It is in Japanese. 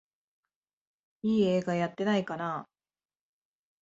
いい映画やってないかなあ